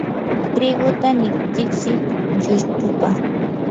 triguta nititsi llustupa.